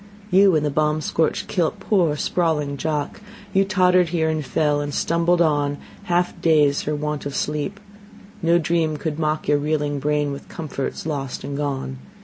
You in the bomb scorched kilt, poor sprawling Jock, You tottered here and fell, and stumbled on, Half dazed for want of sleep. No dream could mock Your reeling brain with comforts lost and gone.